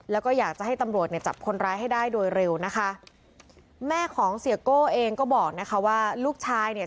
แล้วก็อยากจะให้ตำรวจเนี่ยจับคนร้ายให้ได้โดยเร็วนะคะแม่ของเสียโก้เองก็บอกนะคะว่าลูกชายเนี่ย